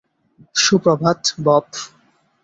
Suprabhat, Bob.